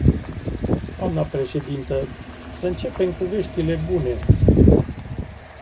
Dnă președintă, să începem cu veștile bune.